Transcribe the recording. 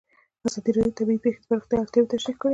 ازادي راډیو د طبیعي پېښې د پراختیا اړتیاوې تشریح کړي.